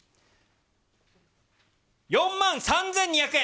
４万３２００円。